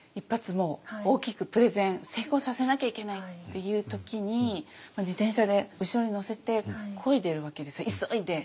もう大きくプレゼン成功させなきゃいけないっていう時に自転車で後ろに乗せてこいでるわけです急いで。